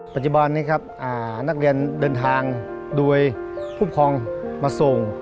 ปัจจุบันนี้ครับนักเรียนเดินทางโดยผู้ครองมาส่ง